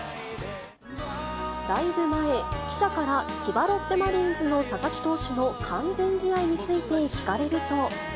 ライブ前、記者から千葉ロッテマリーンズの佐々木投手の完全試合について聞かれると。